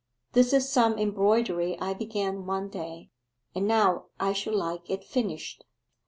'This is some embroidery I began one day, and now I should like it finished.